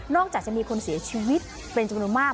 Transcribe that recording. จากจะมีคนเสียชีวิตเป็นจำนวนมาก